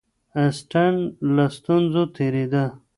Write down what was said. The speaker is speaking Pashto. اسټن له ستونزو تېرېده.